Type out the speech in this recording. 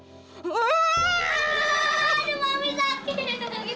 aduh mami sakit